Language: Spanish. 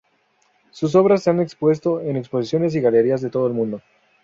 Sus obras se han expuesto en exposiciones y galerías de todo el mundo.